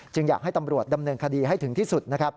จึงอยากให้ตำรวจดำเนินคดีให้ถึงที่สุด